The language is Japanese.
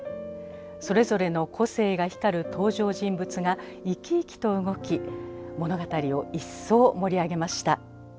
それぞれの個性が光る登場人物が生き生きと動き物語を一層盛り上げました。